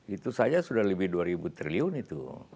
itu saja sudah lebih dua ribu triliun itu